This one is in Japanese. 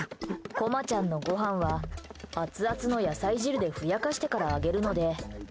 こまちゃんのごはんはアツアツの野菜汁でふやかしてから、あげるので。